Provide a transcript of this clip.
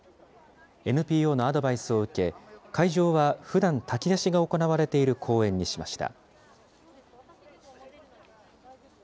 ＮＰＯのアドバイスを受け、会場はふだん炊き出しが行われている公園にしました。